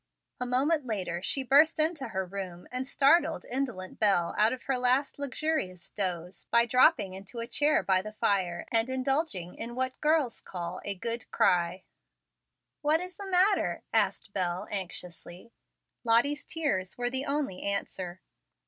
A moment later she burst into her room and startled indolent Bel out of her last luxurious doze by dropping into a chair by the fire and indulging in what girls call a "good cry." "What is the matter?" asked Bel, anxiously. Lottie's tears were the only answer.